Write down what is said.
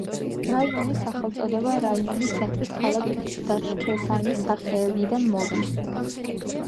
რაიონის სახელწოდება რაიონის ცენტრის, ქალაქ დაშქესანის სახელიდან მოდის.